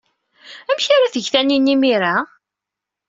Amek ara teg Taninna imir-a?